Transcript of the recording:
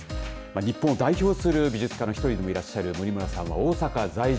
日本を代表する、美術家の１人でもいらっしゃいます森村さんは大阪在住。